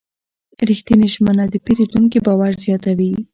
رښتینې ژمنه د پیرودونکي باور زیاتوي.